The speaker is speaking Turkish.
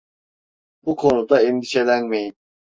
Bu konuda endişelenmeyin.